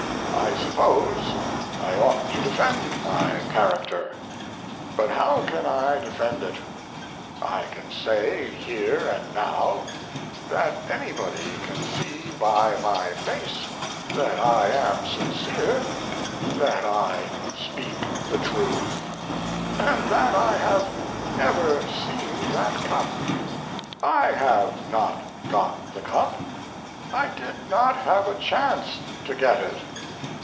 I suppose I ought to defend my character, but how can I defend it? I can say here and now that anybody can see by my face that I am sincere that I speak the truth, and that I have never seen that Cup. I have not got the Cup, I did not have a chance to get it.